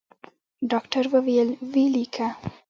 ډاکتر وويل ويې ليکه.